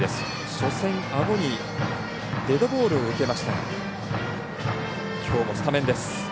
初戦、あごにデッドボールを受けましたがきょうもスタメンです。